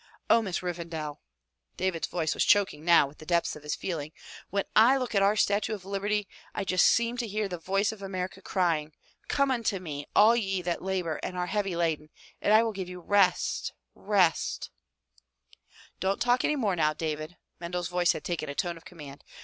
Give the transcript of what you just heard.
Oh, Miss Revendal, —" David's voice was choking now with the depths of his feeling, "when I look at our statue of liberty I just seem to hear the voice of America crying: 'Come unto me, all ye that labor and are heavy laden, and I will give you rest — rest —'"" Don't talk any more now, David." Mendel's voice had taken a tone of command.